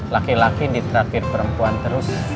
laki laki ditrakir perempuan terus